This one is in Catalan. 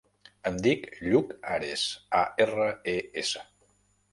Em dic Lluc Ares: a, erra, e, essa.